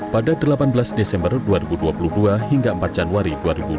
pada delapan belas desember dua ribu dua puluh dua hingga empat januari dua ribu dua puluh